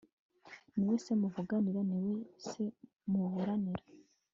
ni we se muvuganira, ni we se muburanira